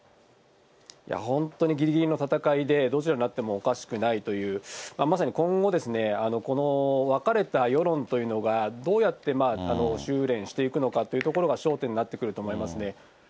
本当にぎりぎりの戦いで、どちらになってもおかしくないという、まさに今後、この分かれた世論というのが、どうやって収れんしていくのかというところが焦点になってくると思いますね。